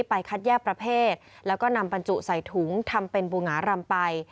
คัดแยกประเภทแล้วก็นำบรรจุใส่ถุงทำเป็นบูหงารำไป